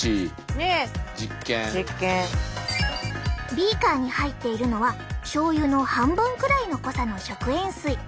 ビーカーに入っているのはしょうゆの半分くらいの濃さの食塩水。